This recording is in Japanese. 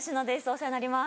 お世話になります。